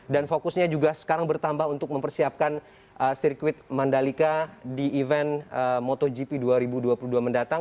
dan fokusnya juga sekarang bertambah untuk mempersiapkan sirkuit mandalika di event motogp dua ribu dua puluh dua mendatang